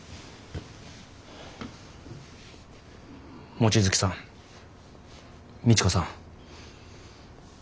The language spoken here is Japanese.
望月さん道子さん。